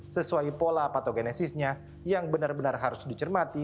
sesuai pola patogenesisnya yang benar benar harus dicermati